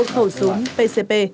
một khẩu súng pcp